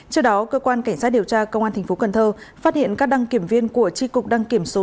trước đó cơ quan cảnh sát điều tra công an tp cnh phát hiện các đăng kiểm viên của tri cục đăng kiểm số tám